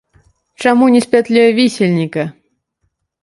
Чаму не з пятлёй вісельніка?